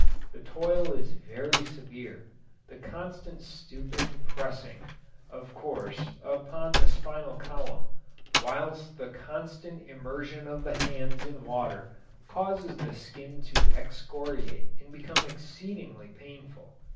The toil is very severe, the constant stooping pressing, of course, upon the spinal column, whilst the constant immersion of the hands in water causes the skin to excoriate and become exceedingly painful.